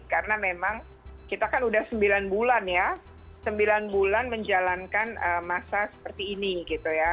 karena memang kita kan sudah sembilan bulan ya sembilan bulan menjalankan masa seperti ini gitu ya